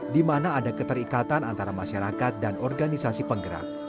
di mana ada keterikatan antara masyarakat dan organisasi penggerak